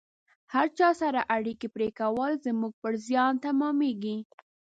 هر چا سره اړیکې پرې کول زموږ پر زیان تمامیږي